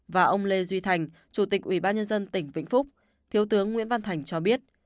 và ông lê duy thành chủ tịch ủy ban nhân dân tỉnh vĩnh phúc thiếu tướng nguyễn văn thành cho biết